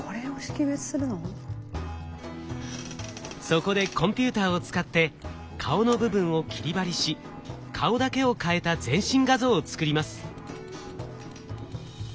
そこでコンピューターを使って顔の部分を切り貼りし顔だけを替えた全身画像を作ります。